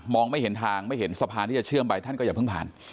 ไม่เห็นทางไม่เห็นสะพานที่จะเชื่อมไปท่านก็อย่าเพิ่งผ่าน